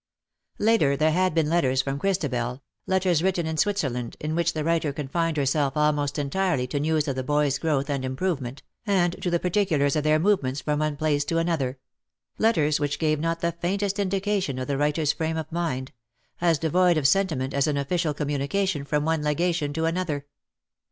Later there had been letters from Christabel — letters written in Switzerland — in which the writer confined herself almost entirely to news of ihe boy's growth and improvement, and to the par ticulars of their movements from one place to another — letters which gave not the faintest indi cation of the writer's frame of mind : as devoid of sentiment as an official communication from one legation to another.